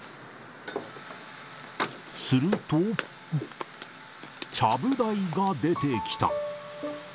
すると、ちゃぶ台が出てきた。